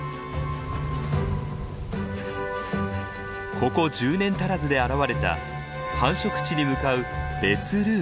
ここ１０年足らずで現れた繁殖地に向かう別ルートです。